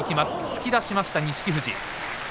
突き出しました、錦富士。